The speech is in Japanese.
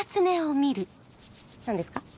何ですか？